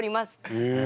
へえ。